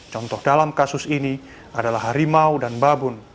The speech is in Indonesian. contoh dalam kasus ini adalah harimau dan babun